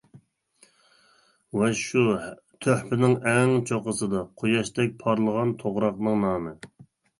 ۋەج شۇ، تۆھپىنىڭ ئەڭ چوققىسىدا، قۇياشتەك پارلىغان توغراقنىڭ نامى.